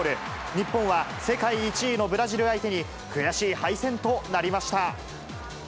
日本は世界１位のブラジル相手に、悔しい敗戦となりました。